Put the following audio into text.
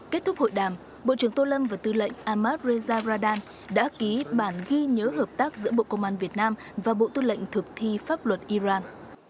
kết thúc hội đàm bộ trưởng tô lâm và tư lệnh ahmad reza radan đã ký bản ghi nhớ hợp tác giữa bộ công an việt nam và bộ tư lệnh thực thi pháp luật iran